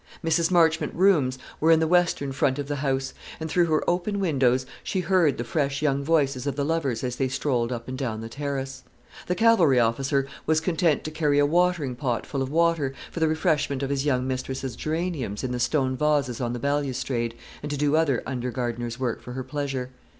Mrs. Marchmont's rooms were in the western front of the house; and through her open windows she heard the fresh young voices of the lovers as they strolled up and down the terrace. The cavalry officer was content to carry a watering pot full of water, for the refreshment of his young mistress's geraniums in the stone vases on the balustrade, and to do other under gardener's work for her pleasure.